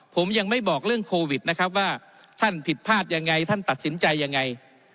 ผมยังไม่บอกเรื่องโควิดนะครับว่าท่านผิดพลาดยังไงท่านตัดสินใจยังไง